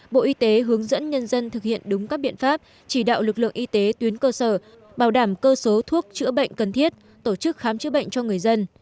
bộ y tế hướng dẫn nhân dân thực hiện đúng các biện pháp chỉ đạo lực lượng y tế tuyến cơ sở bảo đảm cơ số thuốc chữa bệnh cần thiết tổ chức khám chữa bệnh cho người dân